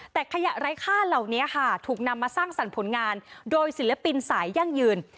แต่ขยะไร้ค่าเหล่านี้ค่ะถูกนำมาสร้างสรรค์ผลงานโดยศิลปินสายยั่งยืน